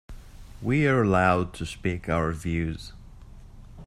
We are allowed to speak our views.